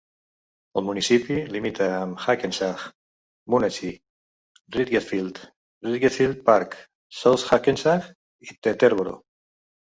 El municipi limita amb Hackensack, Moonachie, Ridgefield, Ridgefield Park, South Hackensack i Teterboro.